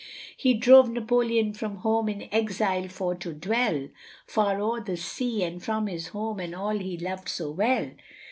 He drove Napoleon from home, in exile for to dwell, Far o'er the sea, and from his home, and all he loved so well.